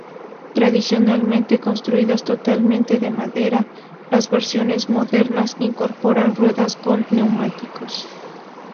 Tradicionalmente construidas totalmente de madera, las versiones modernas incorporan ruedas con neumáticos.